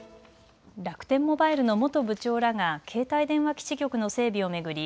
楽天モバイルの元部長らが携帯電話基地局の整備を巡り